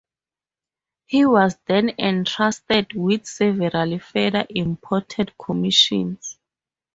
He was then entrusted with several further important commissions.